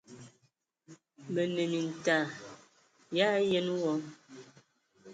Mə anə mintag yi ayen wɔ!